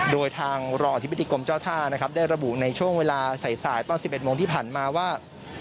โดยทางรองอธิบดีกรมเจ้าท่านะครับได้ระบุในช่วงเวลาสายตอน๑๑โมงที่ผ่านมาว่า